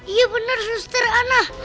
iya bener susar anak